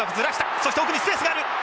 そして奥にスペースがある。